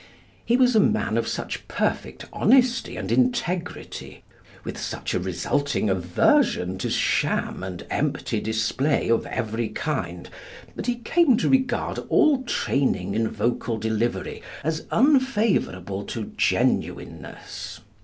(Note 1.) He was a man of such perfect honesty and integrity, with such a resulting aversion to sham and empty display of every kind, that he came to regard all training in vocal delivery as unfavorable to genuineness.